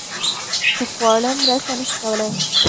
چې خواړه مرسته نشي کولی